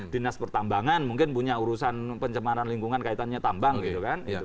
dinas pertambangan mungkin punya urusan pencemaran lingkungan kaitannya tambang gitu kan